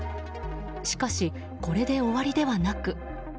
しかし、これで終わりではなく。